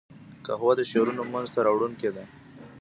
قهوه د شعرونو منځ ته راوړونکې ده